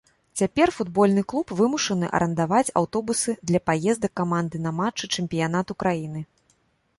Цяпер футбольны клуб вымушаны арандаваць аўтобусы для паездак каманды на матчы чэмпіянату краіны.